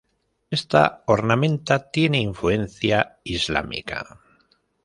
Esta ornamenta tiene influencia islámica.